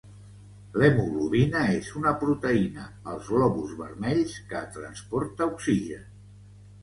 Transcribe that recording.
L'hemoglobina és una proteïna als glòbuls vermells que transporta oxigen.